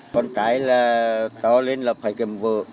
con cái to lên là phải kèm vợ